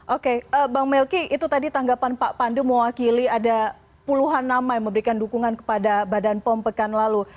oke bang melki itu tadi tanggapan pak pandu mewakili ada puluhan nama yang memberikan dukungan kepada badan pom pekan lalu